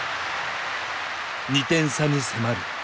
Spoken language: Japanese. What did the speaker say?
２点差に迫る。